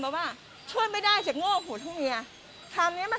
บอกว่าไปแจ้งความรัก